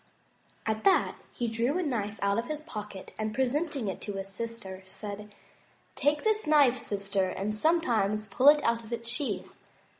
At that he drew a knife out of his pocket and, presenting it to his sister, said; "Take this knife, sister, and sometimes pull it out of its sheath.